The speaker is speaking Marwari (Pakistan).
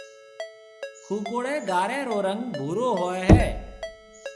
هوڪوڙيَ گها رو رنگ ڀورو هوئي هيَ۔